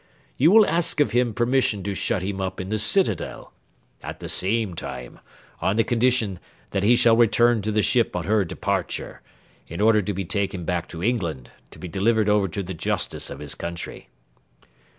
You will ask of him permission to shut him up in the citadel; at the same time, on the condition that he shall return to the ship on her departure, in order to be taken back to England, to be delivered over to the justice of his country."